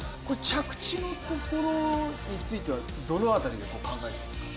着地のところについてはどの辺りで考えてるんですか？